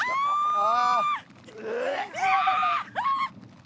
ああ！